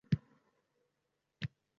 O’g‘lini bag‘riga oldi keyin.